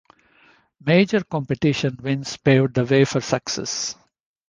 Major competition wins paved the way for success.